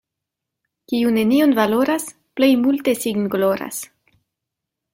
Kiu nenion valoras, plej multe sin gloras.